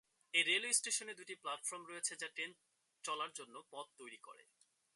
এই রেলওয়ে স্টেশনে দুটি প্ল্যাটফর্ম রয়েছে যা ট্রেন চলার জন্য পথ তৈরি করে।